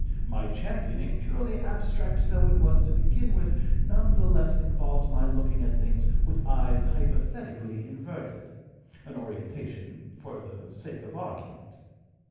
My championing, purely abstract though it was to begin with, none the less involved my looking at things with eyes hypothetically inverted, an orientation for the sake of argument.